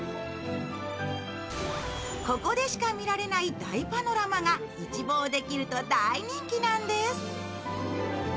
ここでしか見られない大パノラマが一望できると大人気なんです。